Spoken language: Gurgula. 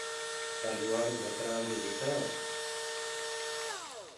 ڪآ لوهآرو ڀت رآنددي ديکرآئو